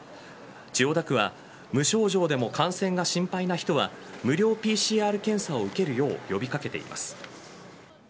千代田区は無症状でも感染が心配な人は無料ＰＣＲ検査を受けるよう呼び掛けています。